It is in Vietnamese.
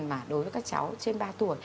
mà đối với các cháu trên ba tuổi